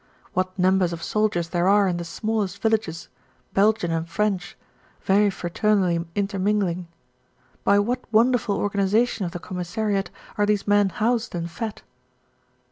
What numbers of soldiers there are in the smallest villages, Belgian and French, very fraternally intermingling. By what wonderful organisation of the commissariat are these men housed and fed?